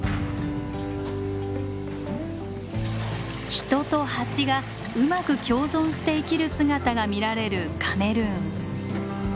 人とハチがうまく共存して生きる姿が見られるカメルーン。